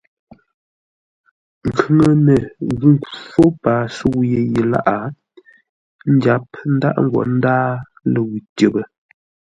Nkhʉŋənə ghʉ fó paa sə̌u yé yi lâʼ, ńdyáp ńdaghʼ ńgwó ńdǎa ləwʉ̂ tyəpə́.